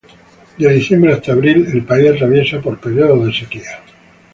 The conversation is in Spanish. De diciembre hasta abril, el país atraviesa por periodos de sequía.